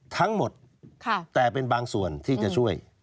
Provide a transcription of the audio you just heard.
ทั้งหมดแต่เป็นบางส่วนที่จะช่วย